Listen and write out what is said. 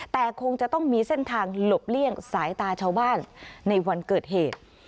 แต่คงจะต้องมีเส้นทางหลบเลี่ยงสายตาชาวบ้านในวันเกิดเหตุ